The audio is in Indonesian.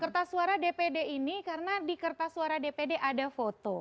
kertas suara dpd ini karena di kertas suara dpd ada foto